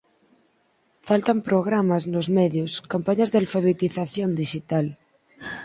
Faltan programas nos medios, campañas de alfabetización dixital.